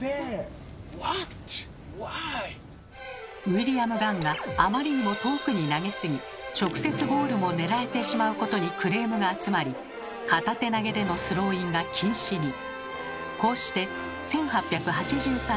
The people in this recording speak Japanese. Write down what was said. ウィリアム・ガンがあまりにも遠くに投げすぎ直接ゴールも狙えてしまうことにクレームが集まり片手投げでのスローインが禁止に。